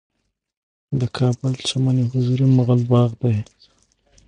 د کابل چمن حضوري مغل باغ دی